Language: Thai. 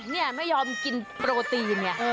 เนี่ยไม่ยอมกินโปรตีนเนี่ย